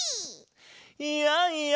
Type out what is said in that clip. いやいや